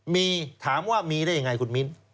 มีถามว่ามีได้ยังไงคุณมิ้น